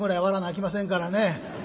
きませんからね。